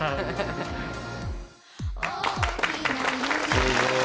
すごい！